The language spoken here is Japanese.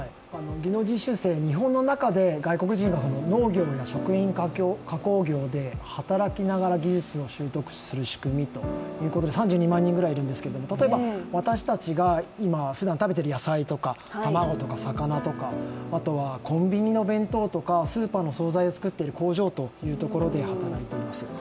技能実習生、日本の中で外国人が農業や食品加工業で働きながら技術を習得する仕組みということで３２万人ぐらいいるんですけど例えば今私たちがふだん食べている卵とか野菜とか魚とかあとはコンビニの弁当とかスーパーの弁当を作っているところで働いています。